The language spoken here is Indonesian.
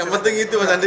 yang penting itu mas andi